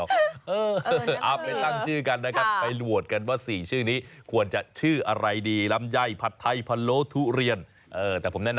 ขาหมูได้ไหมแรปโจ้แรปโจ้โจ้ทีนี้แล้วมันไม่ต้องทำอะไรแล้ววันวัน